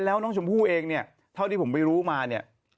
แล้วน้องชมพู่เองเนี่ยเท่าที่ผมไปรู้มาเนี่ย